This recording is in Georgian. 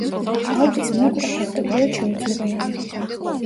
ალპის მოკვლა, ფაქტობრივად, შეუძლებელია.